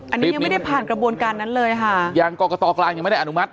อันนี้ยังไม่ได้ผ่านกระบวนการนั้นเลยค่ะอย่างกรกตกลางยังไม่ได้อนุมัติ